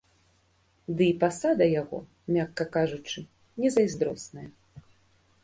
Ды і пасада яго, мякка кажучы, не зайздросная.